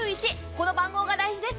この番号が大事です。